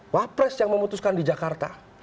wapres yang memutuskan di jakarta